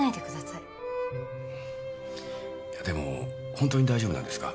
いやでも本当に大丈夫なんですか？